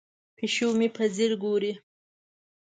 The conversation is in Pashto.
پیشو مې په ځیر ګوري.